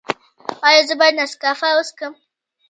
ایا زه باید نسکافه وڅښم؟